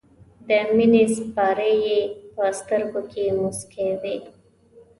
د مینې سېپارې یې په سترګو کې موسکۍ وې.